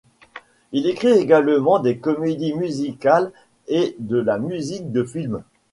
Il écrit également des comédie musicales et de la musique de film.